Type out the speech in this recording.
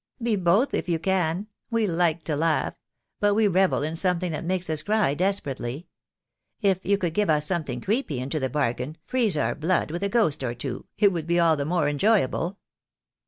"Be both if you can. We like to laugh; but we revel in something that makes us cry desperately. If you could give us something creepy into the bargain, freeze our blood with a ghost or two, it would be all the more enjoyable."